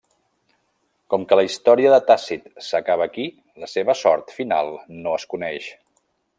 Com que la història de Tàcit s'acaba aquí la seva sort final no es coneix.